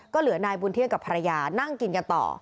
ก็เหลือนายบุญเที่ยงกับภรรยานั่งกินกันต่อ